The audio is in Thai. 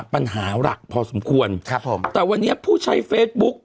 ปัญหาหลักพอสมควรครับผมแต่วันนี้ผู้ใช้เฟซบุ๊ก